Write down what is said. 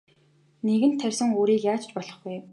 Нэгэнт тарьсан үрийг яаж ч болохгүй.